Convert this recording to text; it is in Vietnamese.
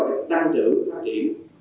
cái tăng trưởng phát triển